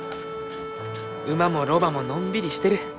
馬もロバものんびりしてる。